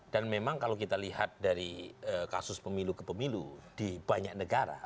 dan memang kalau kita lihat dari kasus pemilu ke pemilu di banyak negara